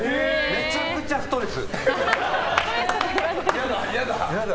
めちゃくちゃストレス。